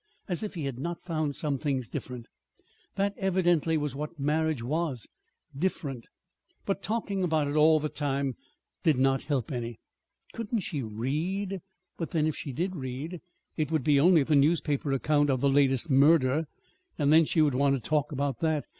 As if he had not found some things different! That evidently was what marriage was different. But talking about it all the time did not help any. Couldn't she read? But, then, if she did read, it would be only the newspaper account of the latest murder; and then she would want to talk about that.